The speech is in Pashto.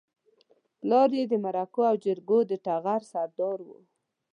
پلار يې د مرکو او جرګو د ټغر سردار و.